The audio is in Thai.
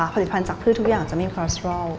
ผลิตภัณฑ์จากพืชทุกอย่างจะไม่มีฟอสรอล